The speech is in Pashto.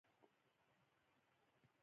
په تاریخ کې هر شی ثبتېږي.